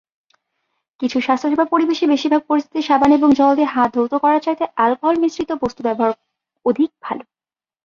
কিছু স্বাস্থ্যসেবা পরিবেশে বেশিরভাগ পরিস্থিতিতে সাবান এবং জল দিয়ে হাত ধৌত করার চাইতে অ্যালকোহল মিশ্রিত বস্তু ব্যবহার অধিক ভাল।